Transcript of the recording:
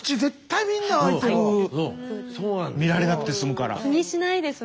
見られなくて済むから。